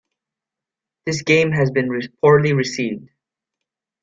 This game has been poorly received.